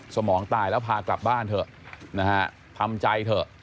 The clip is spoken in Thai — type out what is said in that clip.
สมองตายแล้วพากลับบ้านเถอะนะฮะทำใจเถอะ